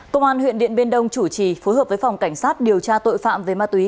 công an huyện điện biên đông chủ trì phối hợp với phòng cảnh sát điều tra tội phạm về ma túy